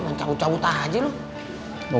main cabut cabut aja lo